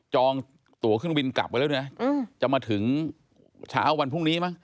จองตัวเครื่องบินกลับไปแล้วนะจะมาถึงเช้าวันพรุ่งนี้มั้ง